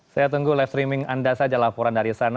saya tunggu live streaming anda saja laporan dari sana